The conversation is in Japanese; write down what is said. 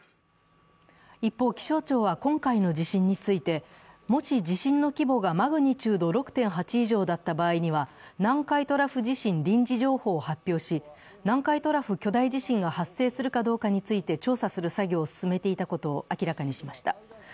一方、気象庁は今回の地震についてもし地震の規模がマグニチュード６．８以上だった場合には南海トラフ地震臨時情報を発表し、南海トラフ巨大地震が発生するかどうかについて調査する作業を進めていたことを明らかにしました。